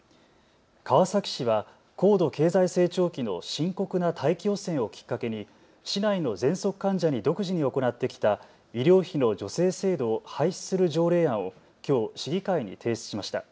川崎市は高度経済成長期の深刻な大気汚染をきっかけに市内のぜんそく患者に独自に行ってきた医療費の助成制度を廃止する条例案をきょう市議会に提出しました。